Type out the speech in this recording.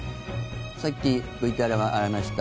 さっきＶＴＲにもありました